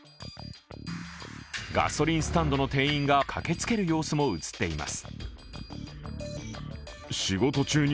ガソリンスタンドの店員が駆けつける様子も映っています。